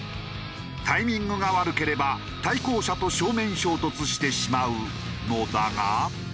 タイミングが悪ければ対向車と正面衝突してしまうのだが。